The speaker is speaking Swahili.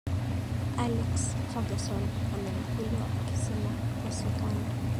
alex furgason amenukuliwa akisema kukosekana